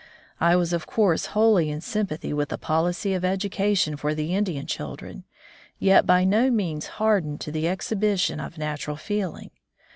I was of course whoUy in sympathy with the poUcy of education for the Indian children, yet by no means hardened to the exhibition of natural feeling.